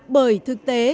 bởi thực tế